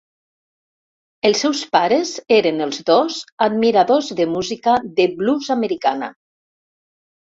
Els seus pares eren els dos admiradors de música de blues americana.